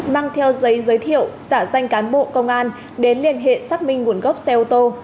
mang theo giấy giới thiệu giả danh cán bộ công an đến liên hệ xác minh nguồn gốc xe ô tô